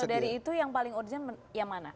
dari itu yang paling urgent yang mana